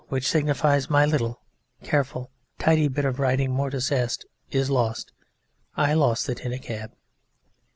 which signifies my little, careful, tidy bit of writing, mortuus est, is lost. I lost it in a cab.